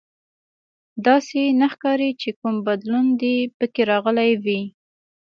داسې نه ښکاري چې کوم بدلون دې پکې راغلی وي